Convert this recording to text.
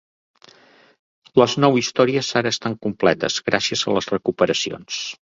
Les nou històries ara estan completes gràcies a les recuperacions.